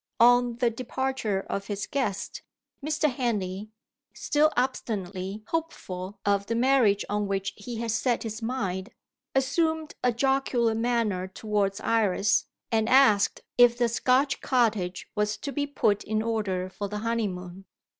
On the departure of his guest, Mr. Henley (still obstinately hopeful of the marriage on which he had set his mind) assumed a jocular manner towards Iris, and asked if the Scotch cottage was to be put in order for the honeymoon.